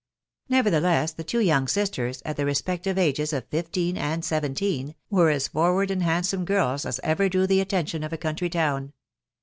Nevertheless, the two young sisters, at the respective ages of fifteen and seventeen, were as forward axv& W^m^, ^$&& *a» ever drew the attention of a country towa..